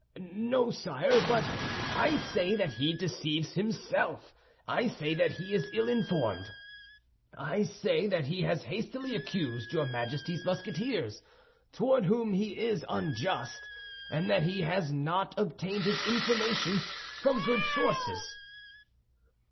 "No, sire, but I say that he deceives himself. I say that he is ill informed. I say that he has hastily accused your Majesty's Musketeers, toward whom he is unjust, and that he has not obtained his information from good sources."